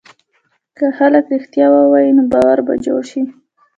که خلک رښتیا ووایي، نو باور به جوړ شي.